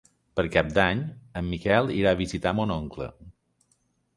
Per Cap d'Any en Miquel irà a visitar mon oncle.